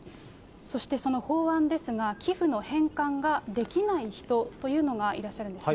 そしてその法案ですが、寄付の返還ができない人というのがいらっしゃるんですね。